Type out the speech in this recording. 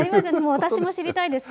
私も知りたいです。